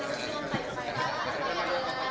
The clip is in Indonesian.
soal perbu pak